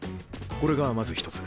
これがまず一つ。